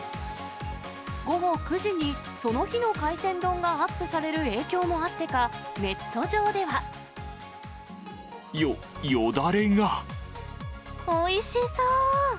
午後９時にその日の海鮮丼がアップされる影響もあってか、ネットよ、おいしそう。